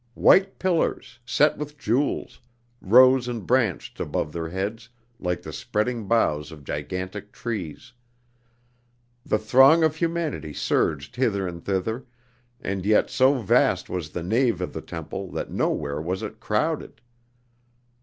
White pillars, set with jewels, rose and branched above their heads like the spreading boughs of gigantic trees. The throng of humanity surged hither and thither, and yet so vast was the nave of the temple that nowhere was it crowded.